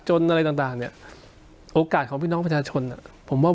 อะไรต่างต่างเนี้ยโอกาสของพี่น้องประชาชนอ่ะผมว่า